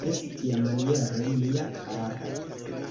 Jes, tiamaniere, mia kara!